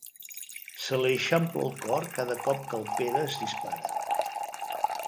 Se li eixampla el cor cada cop que el Pere es dispara.